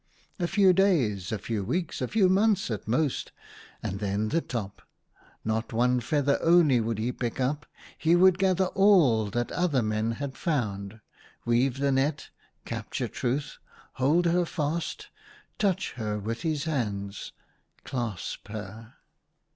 A few days, a few weeks, a few months at most, and then the top ! Not one feather only would he pick up ; he would gather all that other men had found — weave the net — capture Truth THE HUNTER. 43 — hold her fast — touch her with his hands — clasp her!